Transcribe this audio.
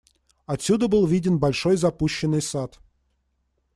Отсюда был виден большой запущенный сад.